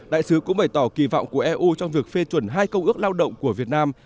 đại sứ cũng bày tỏ kỳ vọng của eu trong việc phê chuẩn hai công ước lao động của việt nam